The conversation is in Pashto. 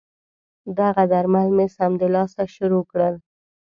دغه درمل مې سمدلاسه شروع کړل.